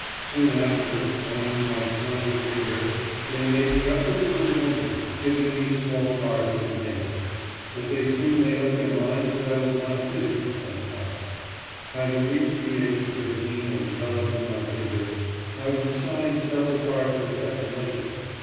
Soon after, owing to my slender figure, they made me up as a little woman, giving me small parts as maid. But they soon made up their minds that I was not fitted for such parts. Having reached the age of thirteen and developed in my figure, I was assigned several parts as second lady.